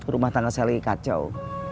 rumah tangga saya lagi kacau